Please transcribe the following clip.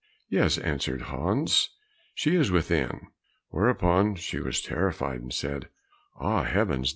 "Yes," answered Hans, "she is within." Hereupon she was terrified, and said, "Ah, heavens!